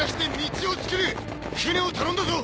船を頼んだぞ！